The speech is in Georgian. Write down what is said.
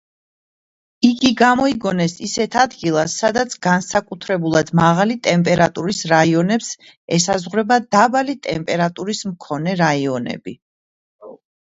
იგი გამოიგონეს ისეთ ადგილას, სადაც განსაკუთრებულად მაღალი ტემპერატურის რაიონებს ესაზღვრება დაბალი ტემპერატურის მქონე რაიონები.